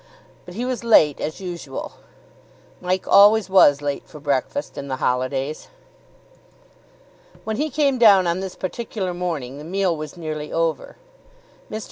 But he was late, as usual. Mike always was late for breakfast in the holidays. When he came down on this particular morning, the meal was nearly over. Mr.